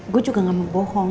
gue juga gak mau bohong